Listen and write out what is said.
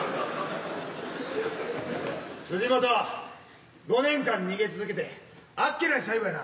辻本５年間逃げ続けてあっけない最後やな。